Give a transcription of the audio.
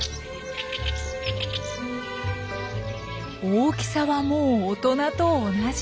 大きさはもう大人と同じ。